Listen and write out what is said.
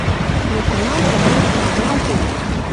Но кынам пыток шаналтен